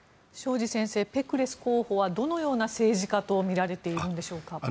庄司先生、ペクレス候補はどのような政治家とみられているんでしょうか。